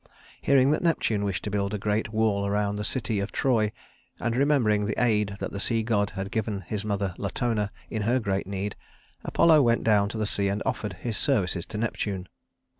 Hearing that Neptune wished to build a great wall around the city of Troy, and remembering the aid that the sea god had given his mother Latona in her great need, Apollo went down to the sea and offered his services to Neptune.